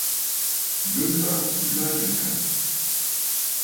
Bɨ maʼa manɨkàŋə̀.